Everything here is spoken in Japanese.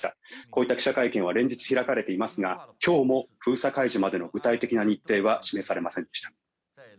こういった記者会見は連日開かれていますが今日も封鎖解除までの具体的な日程は示されませんでした。